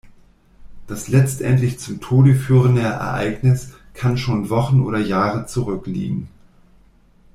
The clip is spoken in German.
Das letztendlich zum Tode führende Ereignis kann schon Wochen oder Jahre zurückliegen.